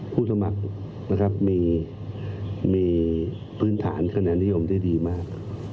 ผู้สมัครนะครับมีพื้นฐานขนาดนิยมที่ดีมาก